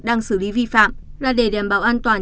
đang xử lý vi phạm là để đảm bảo an toàn